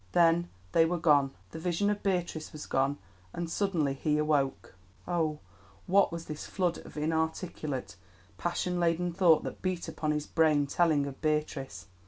Then they were gone, the vision of Beatrice was gone, and suddenly he awoke. Oh, what was this flood of inarticulate, passion laden thought that beat upon his brain telling of Beatrice?